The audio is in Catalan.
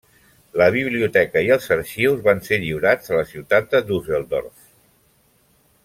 La biblioteca i els arxius van ser lliurats a la ciutat de Düsseldorf.